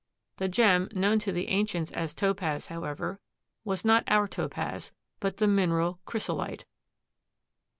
The gem known to the ancients as topaz, however, was not our Topaz, but the mineral chrysolite.